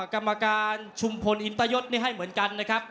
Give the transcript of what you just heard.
กรรมการชุมพลอินตยศนี่ให้เหมือนกันนะครับ